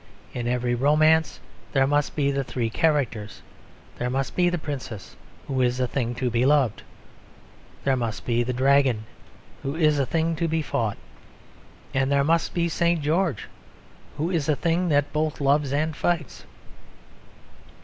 In every romance there must be the three characters: there must be the Princess, who is a thing to be loved; there must be the Dragon, who is a thing to be fought; and there must be St. George, who is a thing that both loves and fights.